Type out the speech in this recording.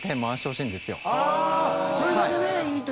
それだけでいいと。